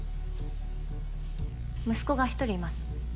息子が１人います。